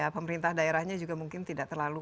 pemerintah daerahnya juga mungkin tidak terlalu